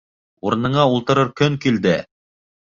Урыныңа ултыртыр көн килде!